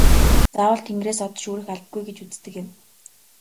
Заавал тэнгэрээс од шүүрэх албагүй гэж үздэг юм.